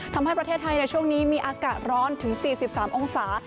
ทำให้ประเทศไทยในช่วงนี้มีอากาศร้อนถึง๔๓องศา